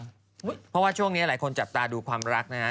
เพราะว่าช่วงนี้หลายคนจับตาดูความรักนะฮะ